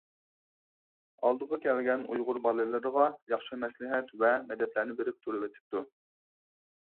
ئالدىغا كەلگەن ئۇيغۇر بالىلىرىغا ياخشى مەسلىھەت ۋە مەدەتلەرنى بېرىپ تۇرۇۋېتىپتۇ.